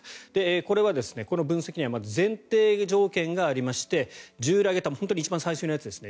これはこの分析にはまず前提条件がありまして従来型本当に一番最初のやつですね。